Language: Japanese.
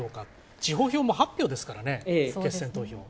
地方票も８票ですからね、決選投票。